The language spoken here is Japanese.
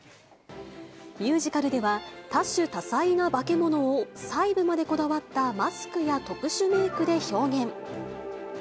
ミュージカルでは、多種多彩なバケモノを細部までこだわったマスクや特殊メークで表現。